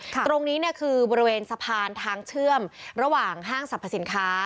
ตรงนี้เนี่ยคือบริเวณสะพานทางเชื่อมระหว่างห้างสรรพสินค้า